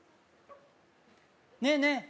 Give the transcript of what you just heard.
ねえねえ